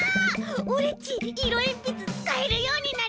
オレっちいろえんぴつつかえるようになりたい！